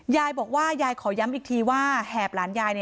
ยายบอกว่ายายขอย้ำอีกทีว่าแหบหลานยาย